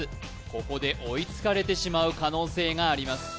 ここで追いつかれてしまう可能性があります